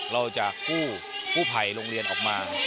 เราจะกู้ไผ่โรงเรียนออกมา